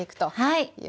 はい。